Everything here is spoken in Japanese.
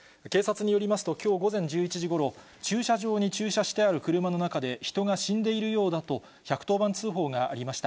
警察によりますと、きょう午前１１時ごろ、駐車場に駐車してある車の中で、人が死んでいるようだと、１１０番通報がありました。